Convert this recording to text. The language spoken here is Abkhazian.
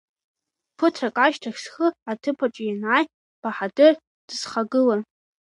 Ԥыҭрак ашьҭахь схы аҭыԥаҿы ианааи, Баҳадыр дысхагылан.